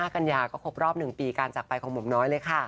กัญญาก็ครบรอบ๑ปีการจากไปของหม่อมน้อยเลยค่ะ